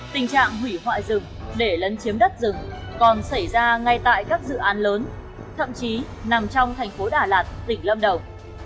tình trạng hủy hoại rừng để lấn chiếm đất rừng còn xảy ra ngay tại các dự án lớn thậm chí nằm trong thành phố đà lạt tỉnh lâm đồng